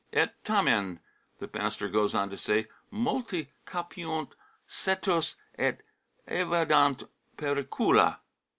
Et tamen," the master goes on to say, "multi capiunt cetos et evadunt pericula."